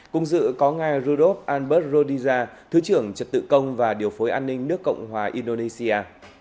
cùng dự có ngài rudolf albert rodiza thứ trưởng trật tự công và điều phối an ninh nước cộng hòa indonesia